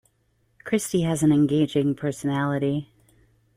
Christy has an engaging personality.